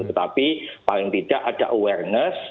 tetapi paling tidak ada awareness